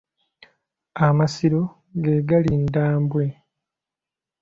Amasiro ge gali Ddambwe.